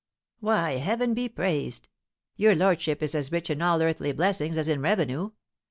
"Why, heaven be praised, your lordship is as rich in all earthly blessings as in revenue.